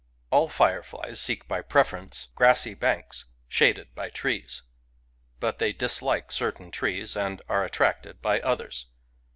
All fire flies seek by preference grassy banks shaded by trees; but they dislike certain trees and are at tracted by others.